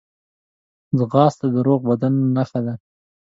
ځغاسته د روغ بدن نښه ده